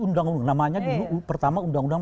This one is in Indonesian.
undang undang namanya dulu pertama undang undang